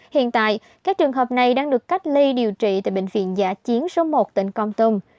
hiện tại các trường hợp này đang được cách ly điều trị tại bệnh viện giả chiến số một tỉnh con tum